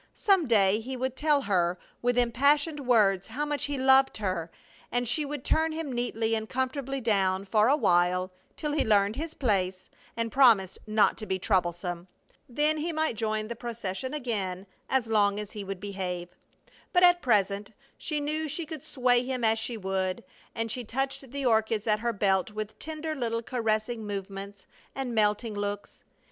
Some day he would tell her with impassioned words how much he loved her, and she would turn him neatly and comfortably down for a while, till he learned his place and promised not to be troublesome. Then he might join the procession again as long as he would behave. But at present she knew she could sway him as she would, and she touched the orchids at her belt with tender little caressing movements and melting looks.